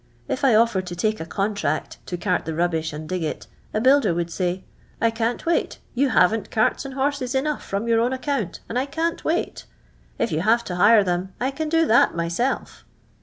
If I otf red to take a contract to cirl ' the rubbish and dii{ it. a builder would say,— ' I can't wait : you haven't carts and horses enouu'h from your own account, an«l I can't wait. If you havi' to hire them I can do that myself."